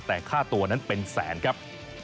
แต่ค่าตัวนั้นเป็นแสนครับ